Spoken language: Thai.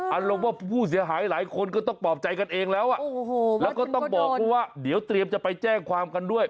อารมณ์ว่าผู้เสียหายหลายคนก็ต้องปลอบใจกันเองแล้วแล้วก็ต้องบอกเพราะว่าเดี๋ยวเตรียมจะไปแจ้งความกันด้วย